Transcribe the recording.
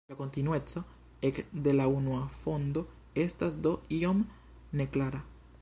La kontinueco ek de la unua fondo estas do iom neklara.